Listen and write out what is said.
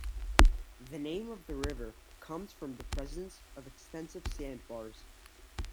The name of the river comes from the presence of extensive sand bars.